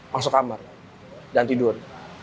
masuk kamar dan tidur